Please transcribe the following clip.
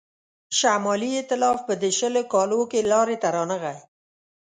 شمالي ایتلاف په دې شلو کالو کې لاري ته رانغی.